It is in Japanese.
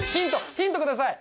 ヒントください！